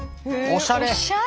おしゃれ！